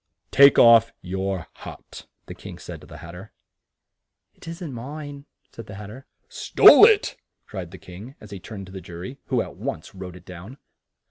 "Take off your hat," the King said to the Hat ter. "It isn't mine," said the Hat ter. "Stole it!" cried the King, as he turned to the jury, who at once wrote it down.